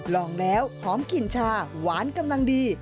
ลองแล้วหอมกลิ่นชาหวานกำลังดี